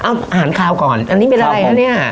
อ้าวอาหารขาวก่อนอันนี้เป็นอะไรนะเนี่ย